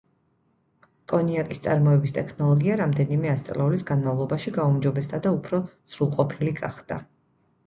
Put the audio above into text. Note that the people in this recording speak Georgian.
კონიაკის წარმოების ტექნოლოგია რამდენიმე ასწლეულის განმავლობაში გაუმჯობესდა და უფრო სრულყოფილი გახდა.